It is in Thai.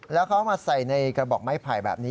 แล้วเขาเอามาใส่ในกระบอกไม้ไผ่แบบนี้